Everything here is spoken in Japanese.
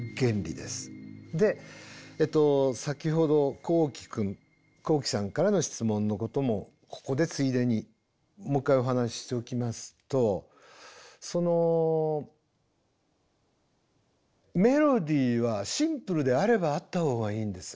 で先ほどこうきくんこうきさんからの質問のこともここでついでにもう一回お話ししときますとそのメロディーはシンプルであればあったほうがいいんです。